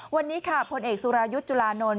วันนี้ค่ะพลเอกสุรายุทธ์จุลานนท์